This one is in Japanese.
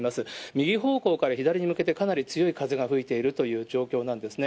右方向から左に向けて、かなり強い風が吹いているという状況なんですね。